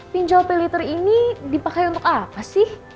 pinjol pay later ini dipakai untuk apa sih